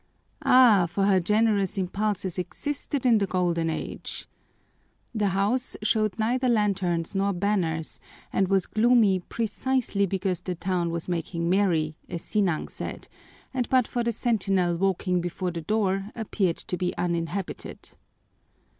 Ah, for her generous impulses existed in the Golden Age! The house, showed neither lanterns nor banners and was gloomy precisely because the town was making merry, as Sinang said, and but for the sentinel walking before the door appeared to be uninhabited.